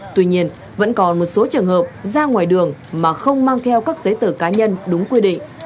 tuy nhiên vẫn còn một số trường hợp ra ngoài đường mà không mang theo các giấy tờ cá nhân đúng quy định